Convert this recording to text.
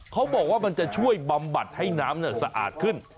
เขาบอกว่ามันจะช่วยบำบัดให้น้ำสะอาดขึ้น